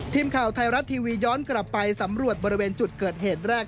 ทีมข่าวไทยรัฐทีวีย้อนกลับไปสำรวจบริเวณจุดเกิดเหตุแรก